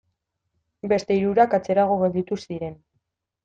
Beste hirurak atzerago gelditu ziren.